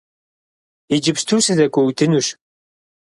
Иджыпсту сызэгуэудынущ!